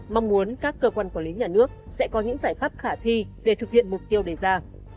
mong muốn các cơ quan quản lý nhà nước sẽ có những giải pháp khả thi để thực hiện mục tiêu đề ra